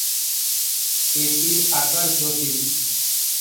এটির আকার জটিল।